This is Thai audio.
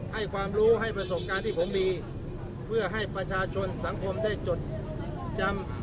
ให้ความรู้ให้ประสบการณ์ที่ผมมีเพื่อให้ประชาชนสังคมได้จดจำ